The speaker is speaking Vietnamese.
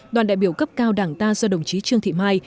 đoàn đại biểu cấp cao đảng ta do đồng chí trương thị mai